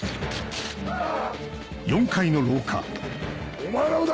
お前らもだ！